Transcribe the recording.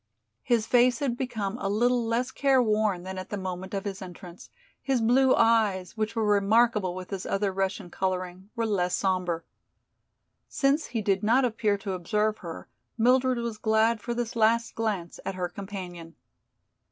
His face had become a little less careworn than at the moment of his entrance; his blue eyes, which were remarkable with his other Russian coloring, were less sombre. Since he did not appear to observe her, Mildred was glad for this last glance at her companion.